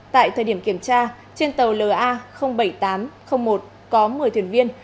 tại thời điểm kiểm tra trên tàu la bảy nghìn tám trăm linh một có một mươi thuyền viên